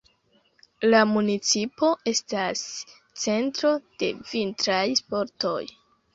La municipo estas centro de vintraj sportoj.